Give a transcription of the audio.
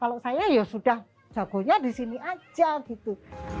kalau saya ya sudah jagonya di sini aja gitu